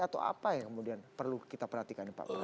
atau apa yang kemudian perlu kita perhatikan